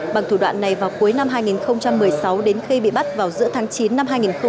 bằng thủ đoạn này vào cuối năm hai nghìn một mươi sáu đến khi bị bắt vào giữa tháng chín năm hai nghìn một mươi tám